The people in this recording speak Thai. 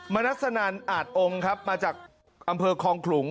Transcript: มนัสนันอาจองค์ครับมาจากอำเภอคลองขลุง